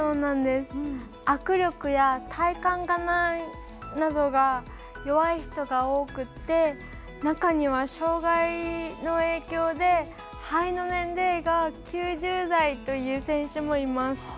握力や体幹などが弱い人が多くて中には、障がいの影響で肺の年齢が９０代という選手もいます。